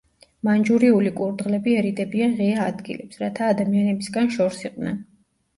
მანჯურიული კურდღლები ერიდებიან ღია ადგილებს, რათა ადამიანებისგან შორს იყვნენ.